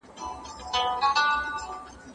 فساد کول د تباهۍ لار ده.